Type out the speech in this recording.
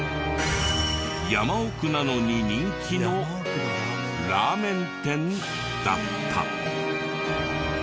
山奥なのに人気のラーメン店だった。